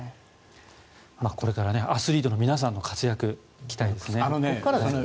これからアスリートの皆さんの活躍に期待ですね。